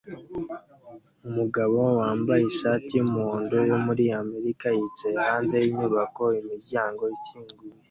Umugabo wambaye ishati yumuhondo yo muri Amerika yicaye hanze yinyubako imiryango ikinguye